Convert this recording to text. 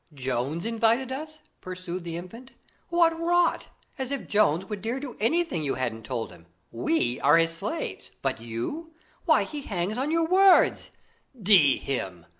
"'Jones invited us?'" pursued the Infant. "What rot! As if Jones would dare do anything you hadn't told him. We are his slaves. But you? Why, he hangs on your words!" "D him!